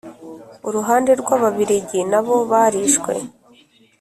uruhande rw Ababirigi nabo barishwe